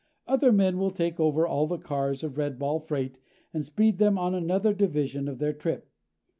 Other men will take over all the cars of redball freight and speed them on another division of their trip.